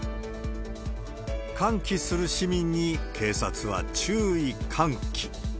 歓喜する市民に警察は注意喚起。